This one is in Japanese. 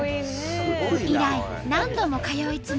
以来何度も通い詰め